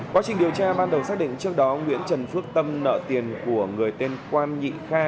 quá trình điều tra ban đầu xác định trước đó nguyễn trần phước tâm nợ tiền của người tên quan nhị kha